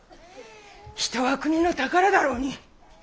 人は国の宝だろうに。